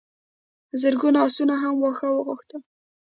زرګونو آسونو هم واښه غوښتل.